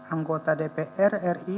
anggota dpr ri